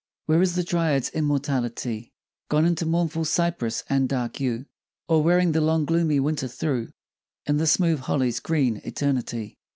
Where is the Dryad's immortality? Gone into mournful cypress and dark yew, Or wearing the long gloomy Winter through In the smooth holly's green eternity.